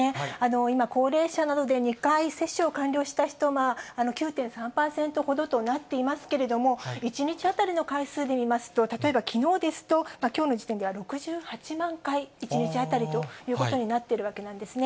今、高齢者などで２回接種を完了した人が９．３％ほどとなっていますけれども、１日当たりの回数で見ますと、例えばきのうですと、きょうの時点では６８万回、１日当たりということになっているわけなんですね。